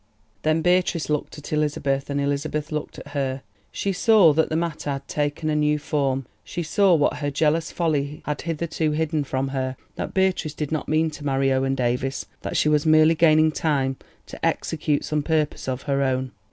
Then Beatrice looked at Elizabeth, and Elizabeth looked at her. She saw that the matter had taken a new form. She saw what her jealous folly had hitherto hidden from her—that Beatrice did not mean to marry Owen Davies, that she was merely gaining time to execute some purpose of her own.